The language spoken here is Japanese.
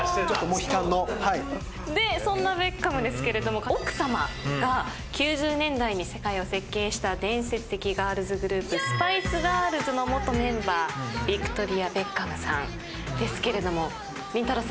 でそんなベッカムですけれども奥さまが９０年代に世界を席巻した伝説的ガールズグループスパイス・ガールズの元メンバーヴィクトリア・ベッカムさんですけれどもりんたろー。